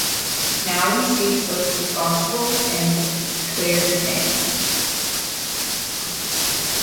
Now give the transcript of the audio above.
Now he seeks those responsible and to clear his name.